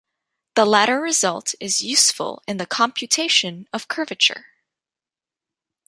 The latter result is useful in the computation of curvature.